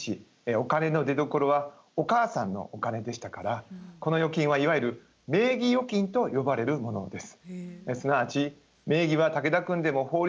お金の出どころはお母さんのお金でしたからこの預金はいわゆる名義預金と呼ばれるものです。